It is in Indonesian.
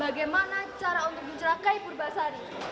bagaimana cara untuk mencerah kaya purbasari